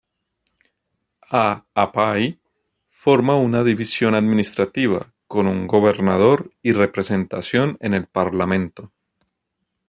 Ha‘apai forma una división administrativa, con un gobernador y representación en el Parlamento.